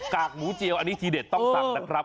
กากหมูเจียวอันนี้ทีเด็ดต้องสั่งนะครับ